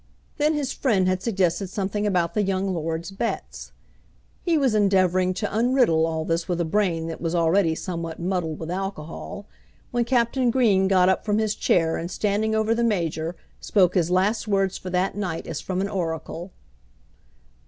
Then his friend had suggested something about the young lord's bets. He was endeavouring to unriddle all this with a brain that was already somewhat muddled with alcohol, when Captain Green got up from his chair and standing over the Major spoke his last words for that night as from an oracle.